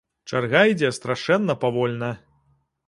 Чарга ідзе страшэнна павольна!